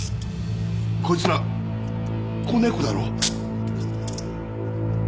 こいつら子猫だろ？